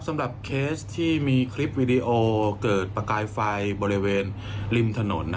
สำหรับเคสที่มีคลิปวิดีโอเกิดประกายไฟบริเวณริมถนน